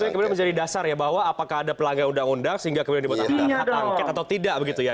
itu yang kemudian menjadi dasar ya bahwa apakah ada pelanggan undang undang sehingga kemudian dibuat hak angket atau tidak begitu ya